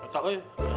gak tau ya